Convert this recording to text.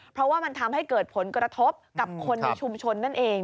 เพราะว่ามันทำให้เกิดผลกระทบกับคนในชุมชนนั่นเอง